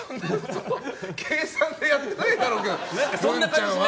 計算でやってないだろうけどグンちゃんは。